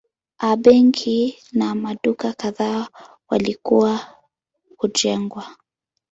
A benki na maduka kadhaa walikuwa kujengwa.